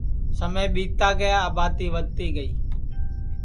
سمے ٻیتا گیا آبادی ودھتی گئی اور یہ ٻڈؔا جیناور جِدؔا بھنس ہوئی گی